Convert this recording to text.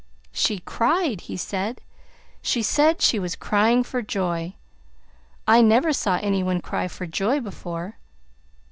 "She cried!" he said. "She said she was crying for joy! I never saw any one cry for joy before.